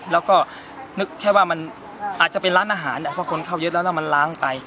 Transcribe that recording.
แล้วก็นึกแค่ว่ามันอาจจะเป็นร้านอาหารเพราะคนเข้าเยอะแล้วแล้วมันล้างไป